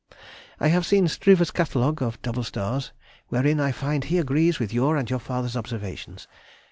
I have seen Struve's Catalogue of Double Stars, wherein I find he agrees with your and your father's observations....